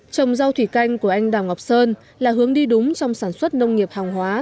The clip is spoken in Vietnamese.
trồng rau thủy canh của anh đào ngọc sơn là hướng đi đúng trong sản xuất nông nghiệp hàng hóa